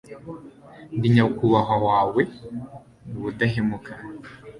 Ndi nyakubahwa wawe mu budahemuka